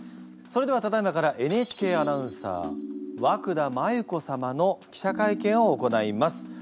それではただいまからＮＨＫアナウンサー和久田麻由子様の記者会見を行います。